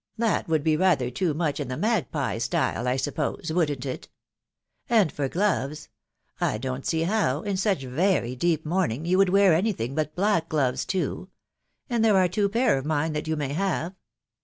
That would be rather too much in the magpie style, I suppose, wouldn't it? .... And for gloves, I don see how, in such very deep mourning, you would wear any thing but black gloves too ; and there are two pair of mine that you may have.